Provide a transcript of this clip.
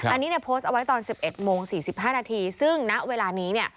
อันนี้เนี่ยโพสต์เอาไว้ตอน๑๑โมง๔๕นาทีซึ่งณเวลานี้เนี่ย